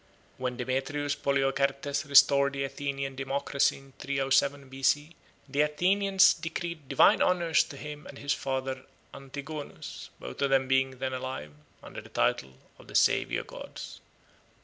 When Demetrius Poliorcetes restored the Athenian democracy in 307 B.C., the Athenians decreed divine honours to him and his father Antigonus, both of them being then alive, under the title of the Saviour Gods.